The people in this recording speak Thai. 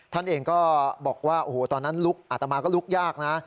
ท่านเองก็บอกว่าโอ้โหตอนนั้นลุกอัตมาก็ลุกยากนะ